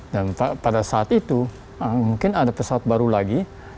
dan pada saat itu mungkin ada pesawat baru lagi